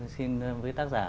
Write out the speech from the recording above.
xin với tác giả